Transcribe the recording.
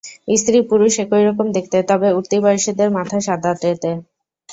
স্ত্রী-পুরুষ একই রকম দেখতে, তবে উঠতি বয়সীদের মাথা সাদাটে।